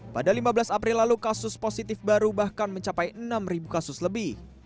pada lima belas april lalu kasus positif baru bahkan mencapai enam kasus lebih